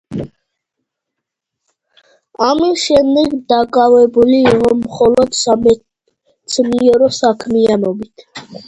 ამის შემდეგ დაკავებული იყო მხოლოდ სამეცნიერო საქმიანობით.